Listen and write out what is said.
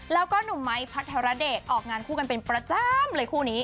แล้วก็หนุ่มไม้พัทรเดชออกงานคู่กันเป็นประจำเลยคู่นี้